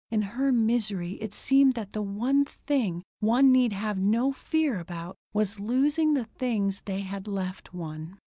In her misery it seemed that the one thing one need have no fear about was losing the things they had left one.